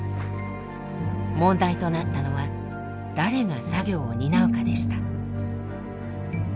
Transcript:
問題となったのは誰が作業を担うかでした。